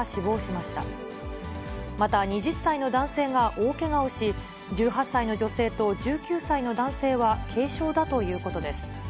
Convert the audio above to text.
また２０歳の男性が大けがをし、１８歳の女性と１９歳の男性は軽傷だということです。